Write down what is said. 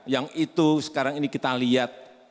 yang itu sekarang ini kita lihat